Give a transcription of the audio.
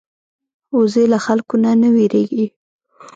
وزې له خلکو نه نه وېرېږي